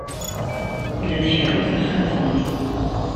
La tkerru taxxamt-nni.